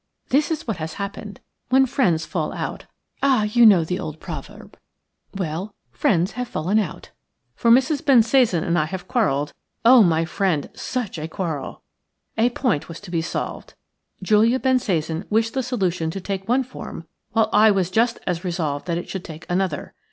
This is what has happened. When friends fall out – ah! you know the old proverb – well, friends have fallen out, for Mrs. Bensasan and I have quarrelled; oh, my friend, such a quarrel! A point was to be solved. Julia Bensasan wished the solution to take one form, while I was just as resolved that it should take another.